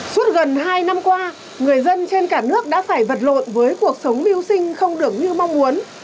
suốt gần hai năm qua người dân trên cả nước đã phải vật lộn với cuộc sống mưu sinh không được như mong muốn